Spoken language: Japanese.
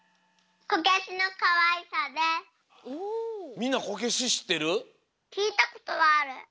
みんなこけししってる？